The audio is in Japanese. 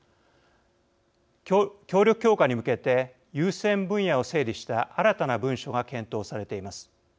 協力強化に向けて優先分野を整理した新たな文書が検討されています。